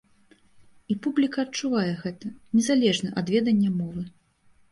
І публіка адчувае гэта, незалежна ад ведання мовы.